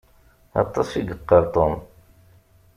Aṭas i yeqqaṛ Tom.